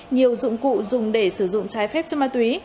nhiều dụng cụ dùng để sử dụng trái phép chất ma túy